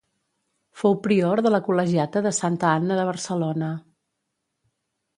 Fou prior de la Col·legiata de Santa Anna de Barcelona.